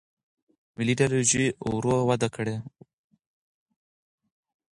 ملي ایدیالوژي ورو وده وکړه.